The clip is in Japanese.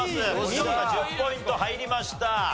見事１０ポイント入りました。